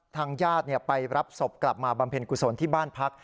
ทางญาติไปรับศพกลับมาบำเพ็ญกุศลที่บ้านพัก